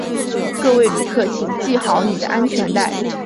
各位旅客请系好你的安全带